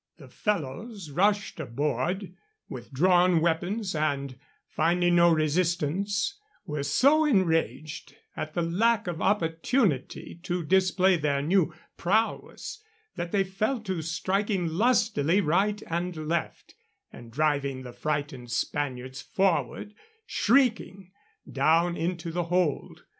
The fellows rushed aboard with drawn weapons, and, finding no resistance, were so enraged at the lack of opportunity to display their new prowess that they fell to striking lustily right and left, and driving the frightened Spaniards forward shrieking down into the hold.